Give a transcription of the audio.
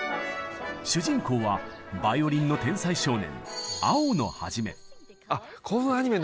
主人公はバイオリンの天才少年